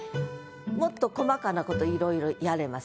もっと細かな事いろいろやれます。